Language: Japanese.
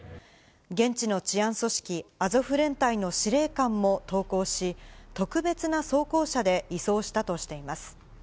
現地の治安組織、アゾフ連隊の司令官も投降し、特別な装甲車で移送したとしています。